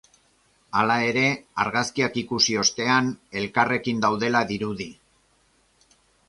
Hala ere, argazkiak ikusi ostean, elkarrekin daudela dirudi.